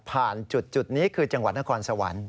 จุดนี้คือจังหวัดนครสวรรค์